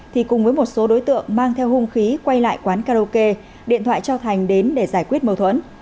thì cùng với một số đối tượng mang theo hung khí quay lại quán karaoke điện thoại cho thành đến để giải quyết mâu thuẫn